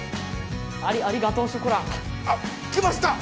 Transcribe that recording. あっきました！